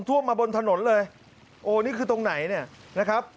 ท่วมมาบนถนนเลยโอ้นี่คือตรงไหนเนี่ยนะครับ